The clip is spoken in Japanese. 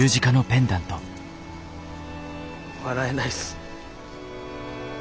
笑えないっす。